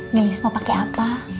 nelis mau pakai apa